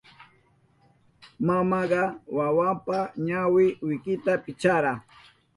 Mamanka wawanpa ñawi wikita picharka.